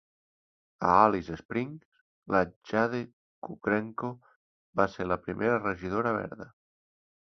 A Alice Springs, la Jade Kudrenko va ser la primera regidora verda.